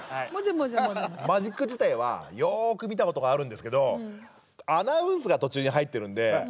マジック自体はよく見たことがあるんですけどアナウンスが途中に入ってるんであれ面白いですよね。